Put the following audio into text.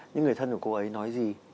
những người thân của cô ấy nói gì